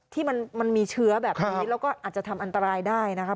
ที่มันมีเชื้อแบบนี้แล้วก็อาจจะทำอันตรายได้นะคะ